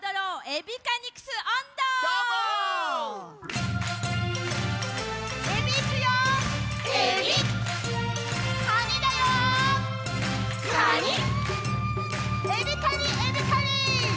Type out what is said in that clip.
「エビカニエビカニ」！